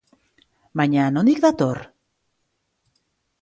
Baina nondik dator?